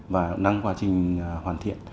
và đang quá trình hoàn thiện